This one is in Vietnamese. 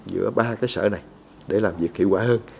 giữa ba sở này để làm việc kỹ quả hơn